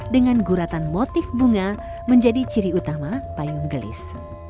dengan guratan motif bunga menjadi ciri utama payung gelis